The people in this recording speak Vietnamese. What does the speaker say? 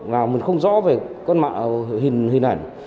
là mình không rõ về con mạng hình ảnh